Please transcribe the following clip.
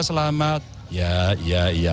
selamat ya ya ya